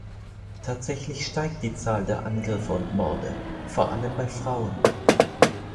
Tatsächlich steigt die Zahl der Angriffe und Morde, vor allem bei Frauen.